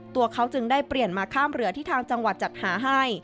ตัวเขาจึงได้เปลี่ยนมาข้ามเรือที่ทางจังหวัดจัดหาให้